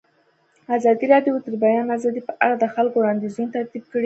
ازادي راډیو د د بیان آزادي په اړه د خلکو وړاندیزونه ترتیب کړي.